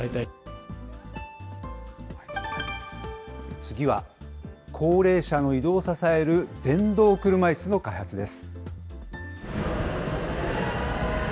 次は、高齢者の移動を支える電動車いすの開発です。